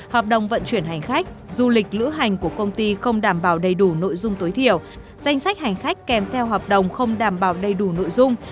hợp đồng vận chuyển hành khách du lịch lữ hành của công ty không đảm bảo đầy đủ nội dung tối thiểu danh sách hành khách kèm theo hợp đồng không đảm bảo đầy đủ nội dung